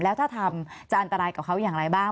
แล้วถ้าทำจะอันตรายกับเขาอย่างไรบ้าง